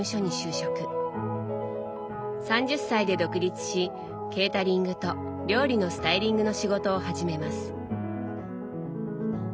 ３０歳で独立しケータリングと料理のスタイリングの仕事を始めます。